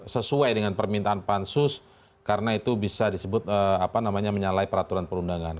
sesuai dengan permintaan pansus karena itu bisa disebut menyalai peraturan perundangan